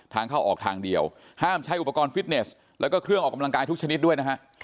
ทางเข้าออกทางเดียวห้ามใช้อุปกรณ์ฟิตเนสแล้วก็เครื่องออกกำลังกายทุกชนิดด้วยนะฮะ